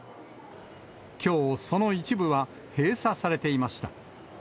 きょう、その一部は閉鎖されていました。